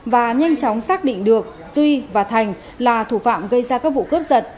và nhanh chóng xác định được duy và thành là thủ phạm gây ra các vụ cướp giật